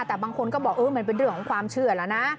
แต่บางคนก็บอกเออมันเป็นเรื่องของความเชื่อแล้วนะ